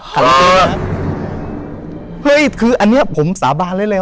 เฮ้ยคืออันนี้ผมสาบานเรื่อยว่า